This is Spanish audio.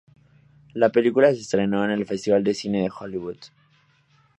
La película se estrenó en el Festival de Cine de Hollywood.